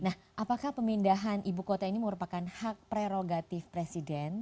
nah apakah pemindahan ibu kota ini merupakan hak prerogatif presiden